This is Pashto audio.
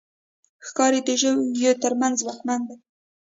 ښکاري د ژويو تر منځ ځواکمن دی.